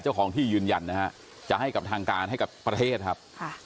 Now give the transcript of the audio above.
เจ้าของที่ยืนยันนะฮะจะให้กับทางการให้กับประเทศครับ